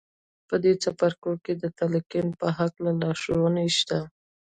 په دې څپرکو کې د تلقین په هکله لارښوونې شته